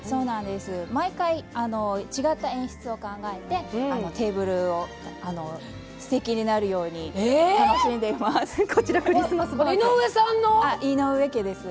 毎回、違った演出を考えてテーブルをすてきになるように井上さんの？井上家です。